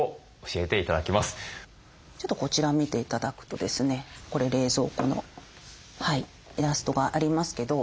ちょっとこちら見て頂くとですねこれ冷蔵庫のイラストがありますけど。